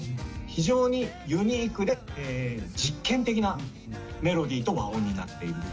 非常にユニークで、実験的なメロディーと和音になっている。